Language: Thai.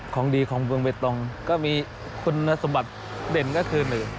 ของดีของเบตรงก็มีคุณสมบัติเด่นก็คือ